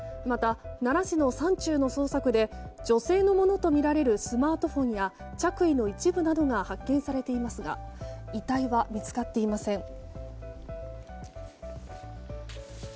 また、奈良市の山中の捜索で女性のものとみられるスマートフォンや着衣の一部などが発見されていますが遺体は見つかっていません。